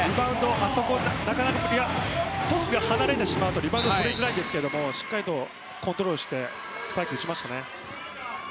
あそこはトスが離れてしまうとリバウンドが取りづらいんですがしっかり、コントロールしてスパイクを打ちました。